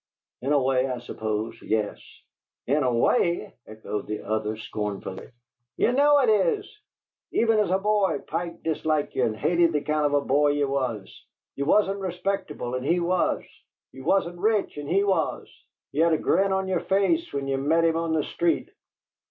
"In a way, I suppose yes." "In a way!" echoed the other, scornfully. "Ye know it is! Even as a boy Pike disliked ye and hated the kind of a boy ye was. Ye wasn't respectable and he was! Ye wasn't rich and he was! Ye had a grin on yer face when ye'd meet him on the street."